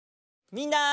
みんな。